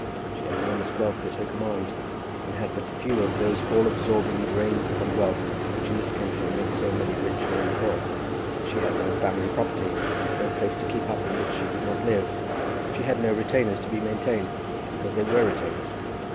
She had enormous wealth at her command, and had but few of those all absorbing drains upon wealth which in this country make so many rich men poor. She had no family property, no place to keep up in which she did not live. She had no retainers to be maintained because they were retainers.